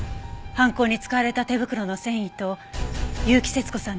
犯行に使われた手袋の繊維と結城節子さんの指紋です。